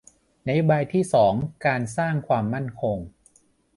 นโยบายที่สองการสร้างความมั่นคง